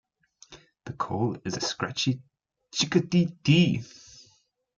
The call is a scratchy "tsicka-dee-dee".